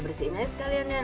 dibersihin aja sekalian ya